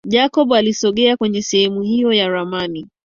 Jacob alisogea kwenye sehemu hiyo ya ramani